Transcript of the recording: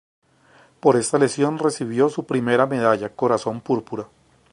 Por esta lesión recibió su primera medalla Corazón Púrpura.